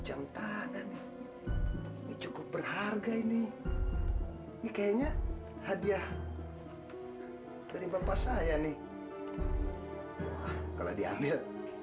jantan cukup berharga ini ini kayaknya hadiah dari bapak saya nih kalau diambil